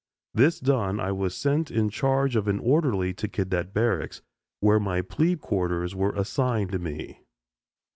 This done I was sent in charge of an orderly to cadet barracks, where my "plebe quarters" were assigned me.